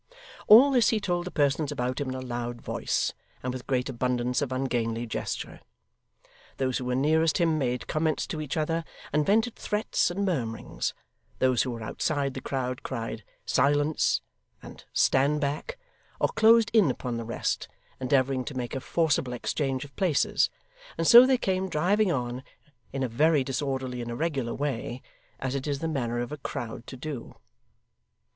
All this he told the persons about him in a loud voice, and with great abundance of ungainly gesture. Those who were nearest him made comments to each other, and vented threats and murmurings; those who were outside the crowd cried, 'Silence,' and 'Stand back,' or closed in upon the rest, endeavouring to make a forcible exchange of places: and so they came driving on in a very disorderly and irregular way, as it is the manner of a crowd to do.